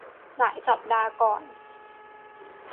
หลายสัปดาห์ก่อน